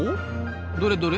どれどれ？